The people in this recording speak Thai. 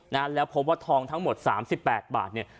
นะแล้วพบว่าทองทั้งหมดสามสิบแปดบาทเนี่ย